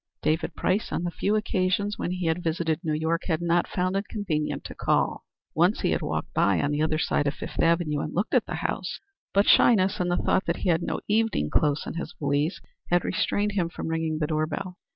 David Price, on the few occasions when he had visited New York, had not found it convenient to call. Once he had walked by on the other side of Fifth avenue and looked at the house, but shyness and the thought that he had no evening clothes in his valise had restrained him from ringing the doorbell.